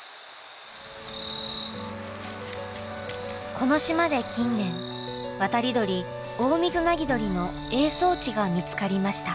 この島で近年渡り鳥オオミズナギドリの営巣地が見つかりました。